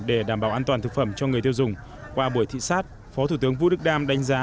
để đảm bảo an toàn thực phẩm cho người tiêu dùng qua buổi thị sát phó thủ tướng vũ đức đam đánh giá